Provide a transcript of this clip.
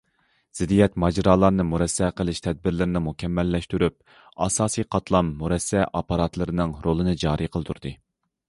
زىددىيەت، ماجىرالارنى مۇرەسسە قىلىش تەدبىرلىرىنى مۇكەممەللەشتۈرۈپ، ئاساسىي قاتلام مۇرەسسە ئاپپاراتلىرىنىڭ رولىنى جارى قىلدۇردى.